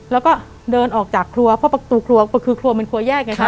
แล้วก็เดินออกจากครัวเพราะประตูครัวคือครัวมันครัวแยกไงครับ